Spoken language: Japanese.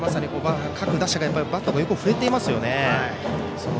各打者がバットをよく振れていますよね。